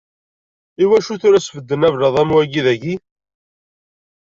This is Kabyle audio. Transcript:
Iwacu tura sbedden ablaḍ am wa dayi?